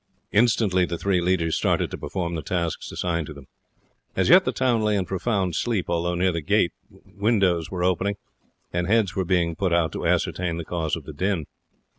Instantly the three leaders started to perform the tasks assigned to them. As yet the town lay in profound sleep, although near the gate windows were opening and heads were being put out to ascertain the cause of the din.